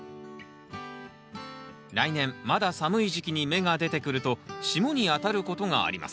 来年まだ寒い時期に芽が出てくると霜に当たることがあります。